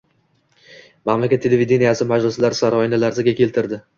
Mamlakat televideniyesi majlislar saroyini larzaga keltirdi!